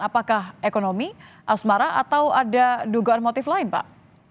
apakah ekonomi asmara atau ada dugaan motif lain pak